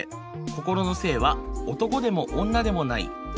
心の性は男でも女でもない。